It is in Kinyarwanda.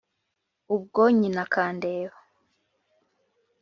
ubwo nyina akandeba